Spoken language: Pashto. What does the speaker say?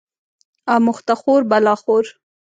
اموخته خور بلا خور